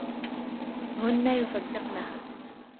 هن يصدقنها.